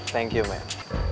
thank you man